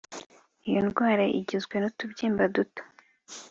Iyo ndwara igizwe nutubyimba duto